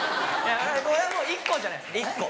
これはもう１個じゃないですか１個。